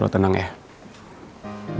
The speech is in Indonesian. lo tenang ya